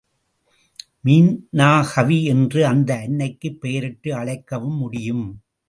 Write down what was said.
மீனாகவி என்று அந்த அன்னைக்குப் பெயரிட்டு அழைக்கவும் முடியும்.